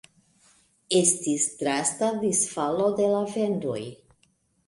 Estis drasta disfalo de la vendoj.